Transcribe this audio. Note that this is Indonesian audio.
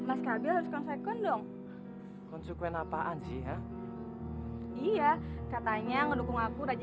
aku cabut dulu ya